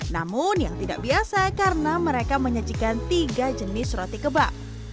namun yang tidak biasa karena mereka menyajikan tiga jenis roti kebab